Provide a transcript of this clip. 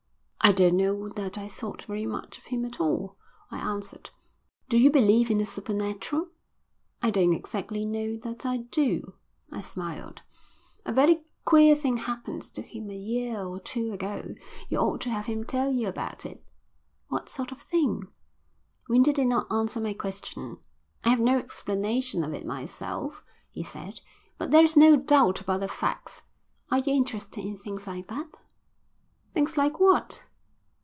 "I don't know that I thought very much of him at all," I answered. "Do you believe in the supernatural?" "I don't exactly know that I do," I smiled. "A very queer thing happened to him a year or two ago. You ought to have him tell you about it." "What sort of thing?" Winter did not answer my question. "I have no explanation of it myself," he said. "But there's no doubt about the facts. Are you interested in things like that?" "Things like what?"